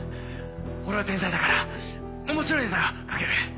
俺は天才だから面白いネタが書ける。